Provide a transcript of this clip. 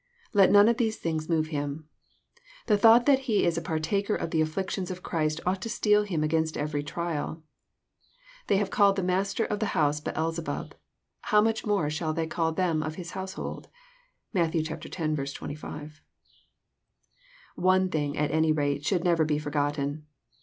Let none of these things move him. The thought that he is a par taker of the afflictions of Christ ought to steel him against every trial. " If they have called the Master of the house Beelzebub, how much more shall they call them of his household." (Matt. x. 25.) One thing, at any rate, should never be forgotten.